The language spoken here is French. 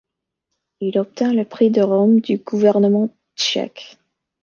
Il obtint le Prix de Rome du gouvernement tchèque.